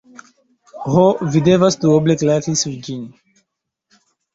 Ho, vi devas duoble klaki sur ĝin.